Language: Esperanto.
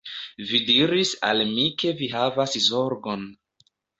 Vi diris al mi ke vi havas zorgon